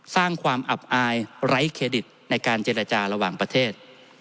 สร้างความอับอายไร้เครดิตในการเจรจาระหว่างประเทศ